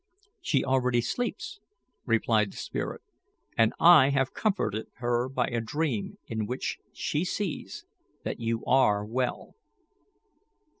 "She already sleeps," replied the spirit, "and I have comforted her by a dream in which she sees that you are well."